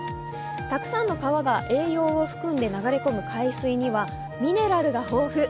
たくさんの川が栄養を含んで流れ込む海水には、ミネラルが豊富。